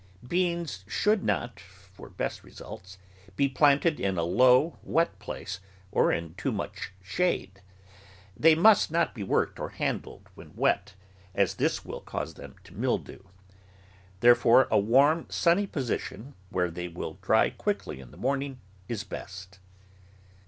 Beans should not, for best results, be planted in a low, wet place or in too much shade. They must not be worked or handled when wet, as this will cause them to mildew. Therefore a warm, sunny position, where they will dry quickly in the morn ing, is best.